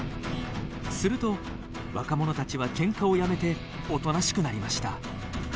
すると若者たちはけんかをやめておとなしくなりました。